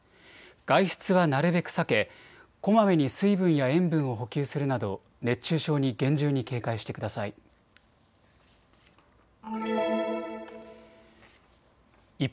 外出はなるべく避けこまめに水分や塩分を補給するなど熱中症に厳重に警戒してください。